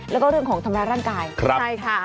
แล้วก็เรื่องของทำร้ายร่างกายใช่ค่ะ